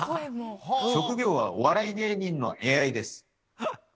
職業はお笑い芸人のＡＩです。